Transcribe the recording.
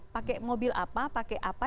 pakai mobil apa pakai apa